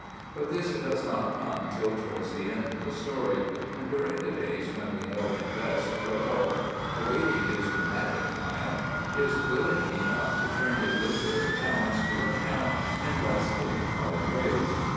But this does not come till towards the end of the story; and during the days when we know him best, Rodolphe, awaiting his dramatic triumph, is willing enough to turn his literary talents to account in less dignified ways.